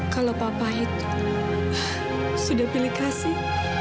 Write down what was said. kalau papa itu sudah pilih kasih